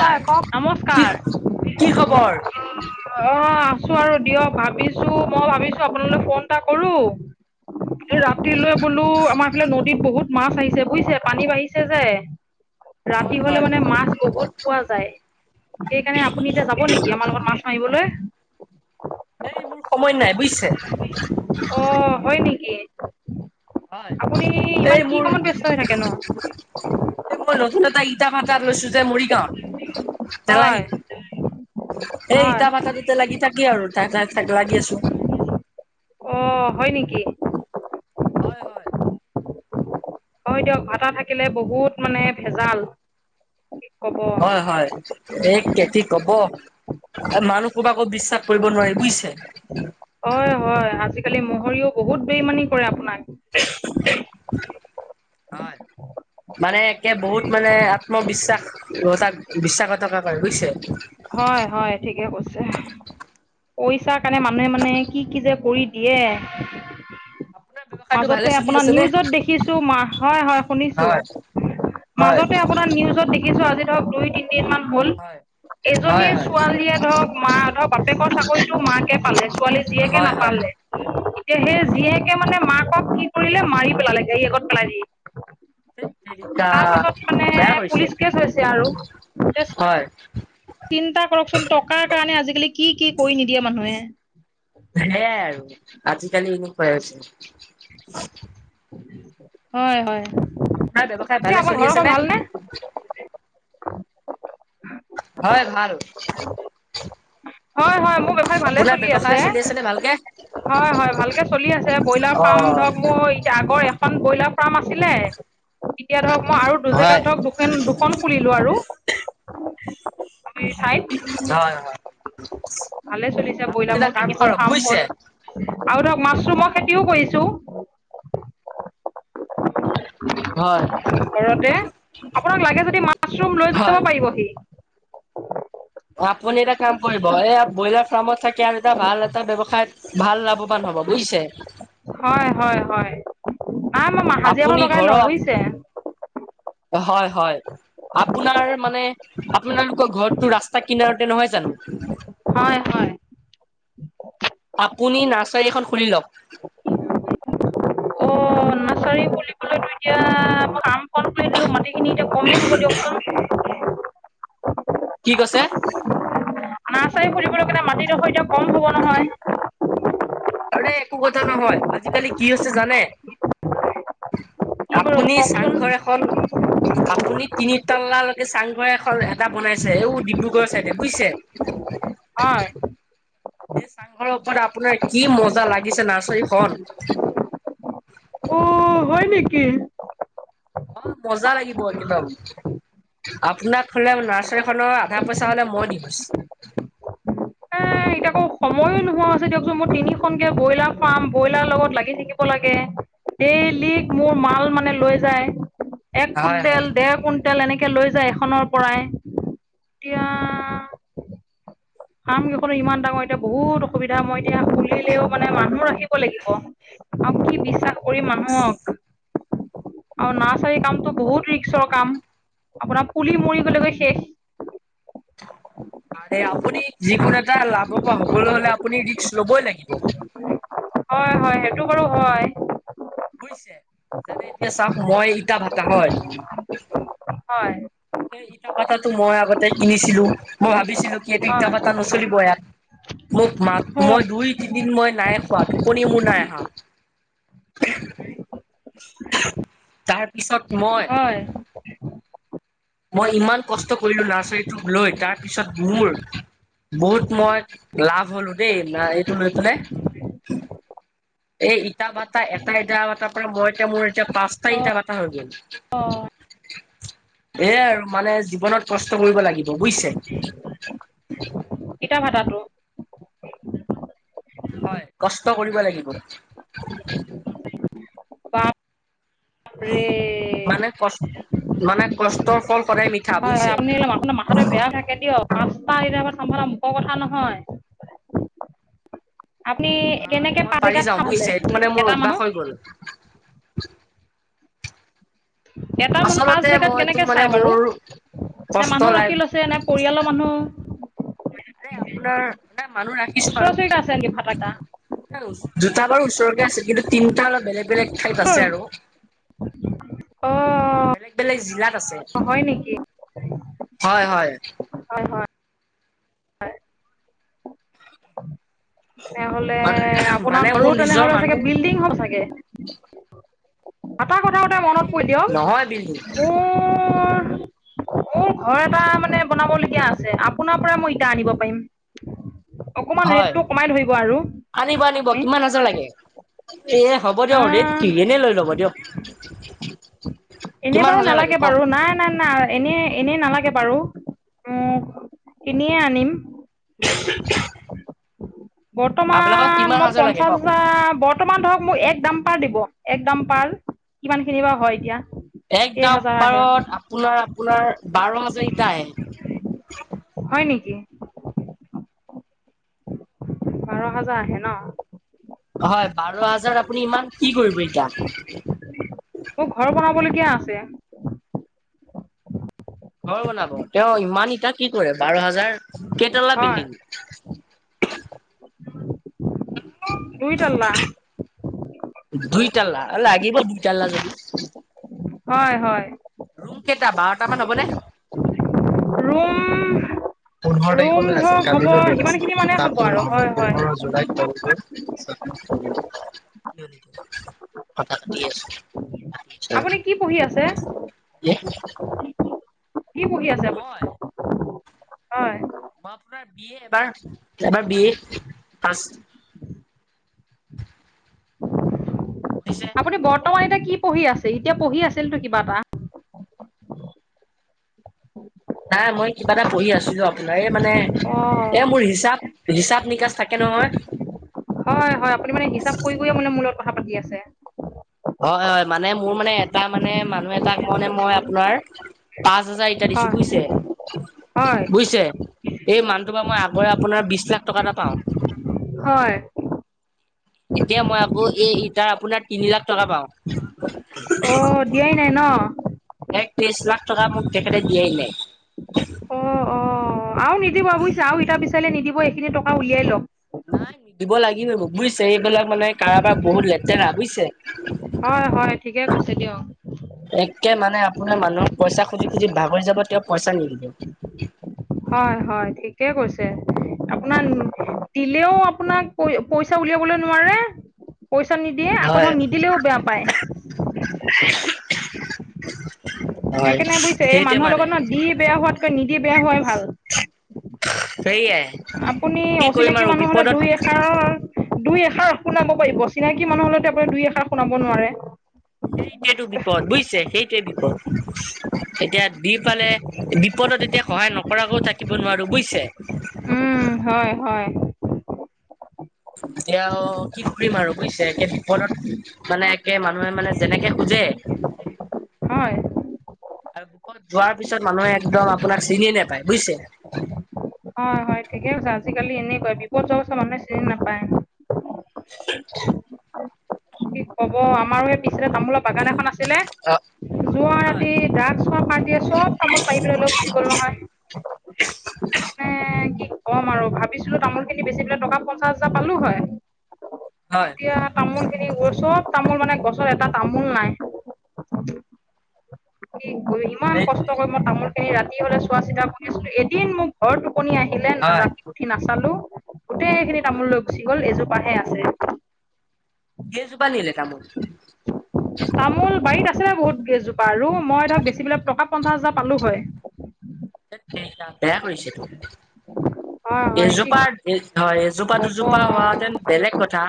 তাৰ হয় ক'ক কি নমস্কাৰ কি খবৰ? [unintelligible] অ, আছো আৰু দিয়ক ভাবিছোঁ মই ভাবিছোঁ আপোনালৈ ফোন এটা কৰো। এই হয় ৰাতিলৈ বোলো আমাৰ এইফালে নদীত বহুত মাছ আহিছে বুইছে পানী বাঢ়িছে যে ৰাতি হয় হ'লে হয় মানে মাছ বহুত পোৱা যায় সেইকাৰণে আপুনি এতিয়া যাব নেকি আমাৰ লগত মাছ মাৰিবলৈ? এই মোৰ সময় নাই বুইছে। অ, হয় নেকি? হয় আপুনি ইমান এই কি মোৰ কামত ব্যস্ত হৈ থাকেনো? এই মই নতুন এটা ই ইটা ভাতা লৈছোঁ যে মৰিগাঁৱত হয় তেলাহী এই হয়। ইটা ভাটাটোতে লাগি থাকি আৰু [unintelligible] লাগি আছোঁ। অ, হয় নেকি? হয় -হয় হয় দিয়ক ভাটা থাকিলে বহুত মানে ভেজাল। কি ক'ব হয়-হয় এ কেতি ক'ব এই মানুহ সোপা আকৌ বিশ্বাস কৰিব নোৱাৰি বুইছে? অয় -হয় আজিকালি মহৰিও বহুত বেইমানি কৰে আপোনাক। হয় মানে একে বহুত মানে আত্মবিশ্বাস অ, তাক [unintelligible] টকা পাই বুইছে? হয় -হয় ঠিকে কৈছে। পইচাৰ কাৰণে মানুহে মানে কি-কি যে কৰি দিয়ে। আপোনাৰ ব্যৱসায়টো ভালে মাজতে চলি আপোনাৰ আছে নে নিউজত দেখিছোঁ মাহৰ হয় শুনিছোঁ। হয় হয় মাজতে আপোনাৰ নিউজত দেখিছোঁ আজি ধৰক দুই, তিনদিনমান হয়। এজনী হয় হয় ছোৱালীয়ে ধৰক মা ধৰ বাপেকৰ চাকৰিতো মাকে পালে ছোৱালী জীয়েকে হয় হয়। নাপালে। এতিয়া সেই হয় নেকি? জীয়েকে মানে মাকক কি কৰিলে মাৰি পেলালে গাড়ী আগত পেলাই দি। তেত তেৰিকা তাৰ পাছত মানে বেয়া পুলিচ কেচ হৈছে আৰু এতিয়া কৰিছে হয়। চিন্তা কৰকচোন টকাৰ কাৰণে আজিকালি কি -কি কৰি নিদিয়ে মানুহে। সেয়াই আৰু আজিকালি এনেকুৱাই হৈছে। হয়- হয় আপোনাৰ ব্যৱসায় এতিয়া ভালে আমাৰ চলি ঘৰৰ আছে পৰা নে? ভালনে হয় ভাল। হয়- হয় মোৰ ব্যৱ হয় ভালে আপোনাৰ চলি ব্যৱসায় আছে চলি নে ভালকে? হয়- হয় ভালকে চলি আছে বইলাৰ ফাৰ্ম অ' ধৰক মই তে আগৰ এখন বইলাৰ ফাৰ্ম আছিলে এতিয়া ধৰক মই আৰু দু হয় জেগাত ধৰক [unintelligible] দুখন খুলিলোঁ আৰু। এই ঠাইত। হয়-হয় ভালে চলিছে বইলাৰ এটা মোৰ কাম তিনিখন কৰক ফাৰ্ম বুজিছে হ'ল আৰু ধৰক মাছৰুমৰ খেতিও কৰিছোঁ। হয় ঘৰতে, আপোনাক লাগে যদি মাছৰুম লৈ হয়। যাব পাৰিবহি। অ আপুনি এটা কাম কৰিব। এইয়া ব্ৰইলাৰ ফাৰ্মত থাকি আন এটা ভাল এটা ব্যৱসায় ভাল ল মান হ'ব বুইছে? হয়-হয়-হয় নাই মই মা হাজিৰা আপুনি মানুহ লগাই লও ঘৰত বুইছে? হয়, হয়। আপোনাৰ মানে আপোনালোকৰ ঘৰতো ৰাস্তা কিনাৰতে নহয় জানো? হয়, হয়। আপুনি নাৰ্চাৰী এখন খুলি লওক। অ নাৰ্চাৰী খুলিবলেটো এতিয়া ফাৰ্ম খন খুলি দিলো, মাটিখিনি এতিয়া কমেই হ'ব দিয়কচোন। কি কৈছে? নাৰ্চাৰী খুলিবলৈ কাৰণে মাটি দখৰ এতিয়া কম হব নহয়। ৰে একো কথা নহয়। আজি-কালি কি হৈছে জানে? কি বাৰু আপুনি কওকচোন। চাংঘৰ এখন [inaudible] আপুনি তিনি তাল্লালৈকে চাংঘৰ এখন এটা বনাইছে ও ডিব্ৰুগড়ৰ চাইডে, বুইছে? হয়। এই চাংঘৰৰ ওপৰত আপোনাৰ কি মজা লাগিছে নাৰ্চাৰীখন। অ' হয় নেকি? হয় মজা লাগিব একদম। আপোনাক হ'লে নাৰ্চাৰীখনৰ আধা পইচা হ'লে মই দি গৈছো। এ এতিয়া আকৌ সময়ো নোহোৱা হৈছে দিয়কচোন। মোৰ তিনিখনকে ব্ৰইলাৰ ফাৰ্ম, ব্ৰইলাৰ লগত লাগি থাকিব লাগে। ডেইলী মোৰ মাল মানে লৈ যায়। এক হয় কুইণ্টেল, হয় ডেৰ কুইণ্টেল এনেকে লৈ যায় এখনৰ পৰাই। এতিয়া ফাৰ্ম কেইখনো ইমান ডাঙৰ। এতিয়া বহুত অসুবিধা। মই এতিয়া খুলিলেও মানে মানুহ ৰাখিব লাগিব। আৰু কি বিশ্বাস কৰিম মানুহক। আৰু নাৰ্চাৰী কামটো বহুত ৰিক্সৰ কাম। আপোনাৰ পুলি মৰি গলেগৈ শেষ। আৰে আপুনি যিকোনো এটা লাভবান হ'বলৈ হলে আপুনি ৰিক্স লবই লাগিব। হয়, হয়। সেইটো বাৰু হয়। বুইছে? যেনে এতিয়া চাওক মই ইটা ভাটা হয় হয়। এই ইটা ভাটাটো মই আগতে কিনিছিলো। মই ভাবিছিলো কি এইটো ইটা হয় ভাটা নচলিব ইয়াত। মোক মাক মই দুই, তিনিদিন মই নাই খোৱা, টোপনি মোৰ নাই আহা। হয়, হয়। তাৰপিছত মই হয়। মই ইমান কষ্ট কৰিলো নাৰ্চাৰীটোক লৈ, তাৰপিছত মোৰ বহুত মই লাভ হ'লো দেই না এইটো লৈ পেলাই। এ ইটা ভাটা, এটা ইটা ভাটাৰ পৰা মই এতিয়া মোৰ এতিয়া পাঁচটা ইটা ভাটা হৈ গল। অ। এইয়াই আৰু মানে জীৱনত কষ্ট কৰিব লাগিব বুইছে। ইটা ভাতাটো হয়, কষ্ট কৰিব লাগিব। [unintelligible] বাপ ৰে। মানে কচ মানে কষ্টৰ ফল সদাই মিঠা, হয় হয় বুইছে? আপুনি [unintelligible] বেয়া থাকে দিয়ক। পাঁচটা ইটা ভাটা চম্ভালা মুখৰ কথা নহয়। আপুনি ভাই কেনেকে মই পাঁচ পাৰি জেগাত যাওঁ চলে বুজিছে এইটো মানে মোৰ এটা মানুহ? [unintelligible] এটা মানুহ পাঁচ আচলতে জেগাত মই তোক কেনেকে মানে চাই বাৰু? মোৰ নে কষ্ট মানুহ লাগ ৰাখি লৈছে নে? পৰিয়ালৰ মানুহ মানে আপোনাৰ নাই মানুহ ৰাখিছোঁ ওচৰা বাৰু। ওচৰিকে আছে নেকি ভাতাকেইটা? [unintelligible] দুটা বাৰু ওচৰতে আছে। কিন্তু তিনটা অলপ বেলেগ বেলেগ ঠাইত আছে আৰু। বেলেগ-বেলেগ জিলাত আছে। অ হয় নেকি? হয় হয়। হয় হয়। হয়। তেনেহ'লে আপোনাৰ মানে ঘৰো মোৰ নিজৰ তেনেহ'লে চাগে মানুহ বিল্ডিং হয় চাগে। এটা কথা উতে মনত পৰি দিয়ক নহয় বিন্দু উ মোৰ ঘৰ এটা মানে বনাবলগীয়া আছে আপোনাৰ পৰা মই ইটা আনিব পাৰিম। অকমান হয়। ৰেটটো কমাই ধৰিব আৰু আনিব আনিব আপুনি কিমান হাজাৰ লাগে? এ হ'ব দিয়ক ৰেত আহ কি এনেই লৈ ল'ব দিয়ক। এনেই কিমান বাৰু হাজাৰ লাগে নালাগে কওক বাৰু নাই নাই নাই। এনেই এনেই নালাগে বাৰু, কিনিয়ে আনিম। [unintelligible] আপোনালোকক বৰ্তমান কিমান মই হাজাৰ লাগে পঞ্চাশ কওক হাজাৰ বত- বৰ্তমান ধৰক মোক এক দাম পাৰ দিব, এক দাম পাৰ কিমান খিনি বা হয় এতিয়া। এক দাম কেইহাজাৰ আহে পাৰত আপোনাৰ আপোনাৰ বাৰ হাজাৰ ইটা আহে। হয় নেকি? বাৰ হাজাৰ আহে ন। হয় বাৰ হাজাৰ আপুনি ইমান কি কৰিব ইটা? মোৰ ঘৰ বনাব লগীয়া আছে। ঘৰ বনাব। কিয় ইমান ইটা কি কৰে বাৰ হাজাৰ, কেইটলা হয় বিল্ডিং দুই তল্লা দুইটালা লাগিব দুইটালা যদি। হয় হয়। ৰুম কেইটা বাৰটা মান হ'বনে? ৰুম পোন্ধৰ ৰুম তাৰিখলৈ আছে ধৰক হ'ব কালিলৈ ডেট সিমান আছে খিনি মানে হ'ব তাৰপিছত আৰু নহ'ব হয় হয় পোন্ধৰ জুলাইত [unintelligible] আছো আপুনি কি পঢ়ি আছে? কি পঢ়ি আছে? আপুনি মই হয় মই আপোনাৰ বি এ এবাৰ, এবাৰ বি এ ফাৰ্ষ্ট বুজিছে আপুনি বৰ্তমান এতিয়া কি পঢ়ি আছে? এতিয়া পঢ়ি আছিলটো কিবা এটা। নাই মই কিবা এটা পঢ়ি আছিলোঁ আপোনাৰ এই মানে অঁ। এ মোৰ হিচাপ হিচাপ নিকাচ থাকে নহয়। হয় হয় আপুনি মানে হিচাপ কৰি কৰিয়ে মানে মোৰ লগত কথা পাতি আছে। হয় হয় মানে মোৰ মানে এটা মানে মানুহ এটাক মানে মই আপোনাৰ পাঁচ হাজাৰ ইটা দিছোঁ হয়। বুয়িছে, হয় বুয়িছে। এই মানুহটোৰ পৰা মই আগৰে আপোনাৰ বিশ লাখ টকা এটা পাওঁ। হয়। এতিয়া মই আকৌ এই ইটা আপোনাৰ তিনি লাখ টকা পাওঁ। অঁ দিয়াই নাই ন? এক ত্ৰিশ লাখ টকা মোক তেখেতে দিয়াই নাই। অঁ অঁ আৰু নিদিব বুজিছা আৰু ইটা বিচাৰিলে নিদিব এইখিনি টকা উলিয়াই লৱক। নাই দিব লাগিও মোক বুয়িছে এইবিলাক মানে কাৰোবাৰ বহুত লেতেৰা বুয়িছে। হয় হয় ঠিকে কৈছে দিয়ক এককে মানে আপোনাৰ মানুহ পইচা খুজি- খুজি ভাগৰি যাব তেওঁ পইচা নিদিব। হয়- হয় ঠিকে কৈছে আপোনাৰ দিলেও আপোনাক পই - পইচা উলিয়াবলৈ নোৱাৰে পইচা নিদিয়ে আকৌ ধৰ নিদিলেও বেয়া পায়। উমহ উমহ। সেইকাৰণে বুজিছে এই মানুহৰ লগত ন দি বেয়া হোৱাতকৈ নিদি বেয়া হোৱাই ভাল। সেইয়াই। আপুনি অচিনাকি মানুহ হ'লে দুই এষাৰৰ দুই এষাৰ শুনাব পাৰিব চিনাকি মানুহ হ'লে টো আপুনি দুই এষাৰ শুনাব নোৱাৰে। সেইটোৱেতো বিপদ বুইছে সেইটোৱে বিপদ এতিয়া দি পালে বিপদত এতিয়া সহায় নকৰাকো থাকিব নোৱাৰো বুইছে। উম, হয়- হয়। এতিয়াও কি কৰিম আৰু বুইছে একে বিপদত মানে একে মানুহে মানে যেনেকে খোজে [unintelligible] [unintelligible] যোৱাৰ পিছত মানুহে একদম আপোনাক চিনিয়ে নেপায় বুইছে? হয় -হয় ঠিকে কৈছা আজিকালি এনেকোৱাই বিপদ [unintelligible] চিনি নাপায়। কি ক'ব আমাৰো এই পিছচাইদে তামোলৰ বাগান এখন আছিলে। যোৱা হয় ৰাতি ড্ৰাগছৰ পা ৰ্টীয়ে চব তামোল পাৰি পেলাই লৈ গুছি গল নহয় মানে মানে কি ক'ম আৰু ভাবিছিলোঁ তামোলখিনি বেছি পেলাই টকা পঞ্চাশ হাজাৰ পালো হয় হয় এতিয়া তামোলখিনি গৈ চব তামোল মানে গছৰ এটা তামোল নাই। কি কইম? ইমান সেইটোৱে কষ্ট কৰি মই তামোলখিনি ৰাতি হলে চোৱা - চিতা কৰি আছিলোঁ এদিন মোক ভৰ টোপনি আহিলে হয় ৰাতি উঠি নাচালোঁ গোটেইখিনি হয় তামোল লৈ গুচি গ'ল এজোপাহে আছে। কেইজোপা নিলে তামোল? তামোল বাৰীত আছিলে বহুত গেইজোপা আৰু মই ধৰক বেছি বিলাক টকা পঞ্চাছ হাজাৰ পালো হয়। তেত তেৰিকা বেয়া কৰিছে হয় তো। হয় কি এজোপা এ হয় এজোপা, কব দুজোপা হোৱাহেতেন বেলেগ কথা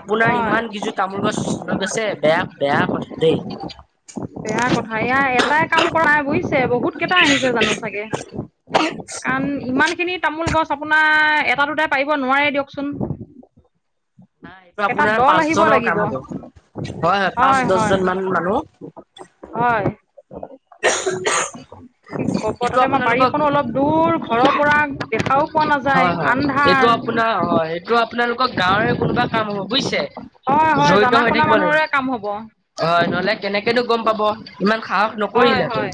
আপোনাৰ হয় ইমান কিজু তামোল গছ লৈ গৈছে বেয়া -বেয়া কথা দেই। বেয়া কথা এয়া এটাই কাম কৰা [unintelligible] বুইছে বহুত কেইটা আহিছে জানো চাগে। কাৰণ ইমানখিনি তামোল গছ আপোনাৰ এটা দুটাই পাৰিব নোৱাৰে দিয়কচোন নাই এইটো এটা আপোনাৰ দল আহিব পাঁচজনৰ লাগিব কাম হ'ব হয় -হয় পাঁচ, দছজনমান মানুহ হয়। কি ক'ব এইটো তাতে আমাৰ আপোনালোকক বাৰীখনো অলপ দূৰ ঘৰৰ পৰা দেখাও পোৱা নাযায় আন্ধাৰ। নহয় এইটো আপোনালোকৰ গাঁৱৰে কোনোবা কাম হ'ব বুইছে? হয়- হয় জনা শুনা মানুহৰে কাম হ'ব। হয় নহ'লে কেনেকেনো গম পাব ইমান সাহস হয় নকৰিলেহেঁতেন। হয়